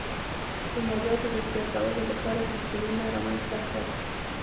د مالیاتو د زیاتولو لپاره سیستمونه رامنځته کړل.